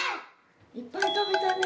いっぱいたべたね